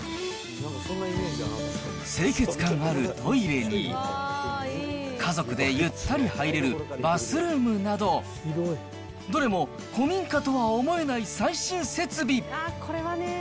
清潔感あるトイレに、家族でゆったり入れるバスルームなど、どれも古民家とは思えない最新設備。